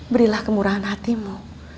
berilah kemurahan hatimu